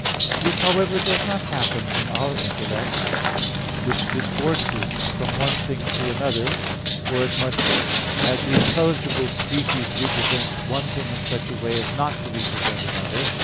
This, however, does not happen in our intellect, which discourses from one thing to another, forasmuch as the intelligible species represents one thing in such a way as not to represent another.